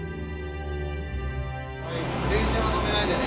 前進は止めないでね。